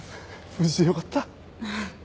無事でよかった。